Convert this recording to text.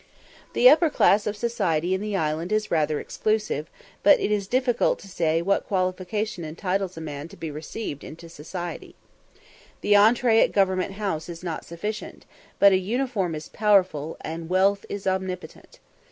The upper class of society in the island is rather exclusive, but it is difficult to say what qualification entitles a man to be received into "society." The entree at Government House is not sufficient; but a uniform is powerful, and wealth is omnipotent.